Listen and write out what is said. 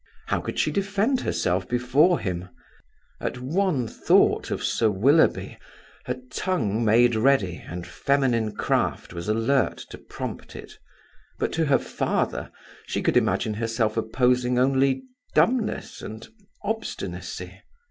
How could she defend herself before him? At one thought of Sir Willoughby, her tongue made ready, and feminine craft was alert to prompt it; but to her father she could imagine herself opposing only dumbness and obstinacy.